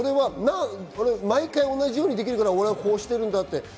毎回おんなじようにできるから俺はこうしてるんだと。